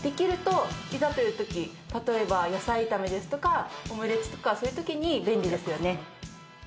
例えば野菜炒めですとかオムレツとかそういう時に便利ですよね。